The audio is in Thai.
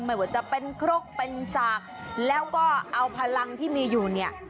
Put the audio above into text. ไม่ว่าจะเป็นครกเป็นสากแล้วก็เอาพลังที่มีอยู่เนี่ย